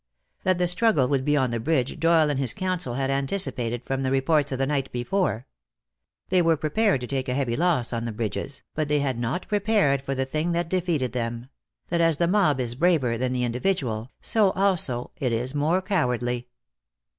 That the struggle would be on the bridge Doyle and his Council had anticipated from the reports of the night before. They were prepared to take a heavy loss on the bridges, but they had not prepared for the thing that defeated them; that as the mob is braver than the individual, so also it is more cowardly.